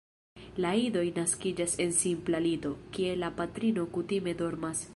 La idoj naskiĝas en simpla lito, kie la patrino kutime dormas.